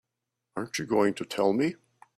Aren't you going to tell me?